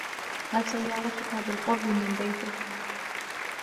هل سيارتك بالقرب من بيتك؟